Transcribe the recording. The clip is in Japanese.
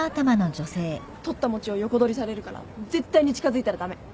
取った餅を横取りされるから絶対に近づいたら駄目。